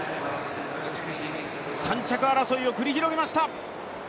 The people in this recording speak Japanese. ３着争いを繰り広げました。